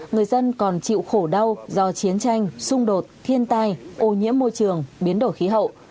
người dân còn chịu khổ đau do chiến tranh xung đột thiên tai ô nhiễm môi trường biến đổi khí hậu